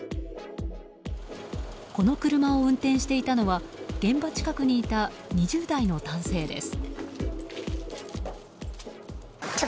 この車を運転していたのは現場近くにいた２０代の男性です。